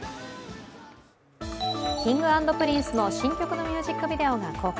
Ｋｉｎｇ＆Ｐｒｉｎｃｅの新曲のミュージックビデオが公開。